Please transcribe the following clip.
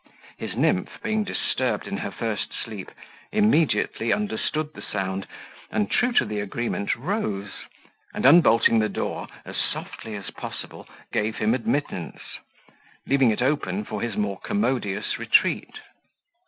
His nymph, being disturbed in her first sleep, immediately understood the sound, and, true to the agreement, rose; and, unbolting the door, as softly as possible, gave him admittance; leaving it open for his more commodious retreat.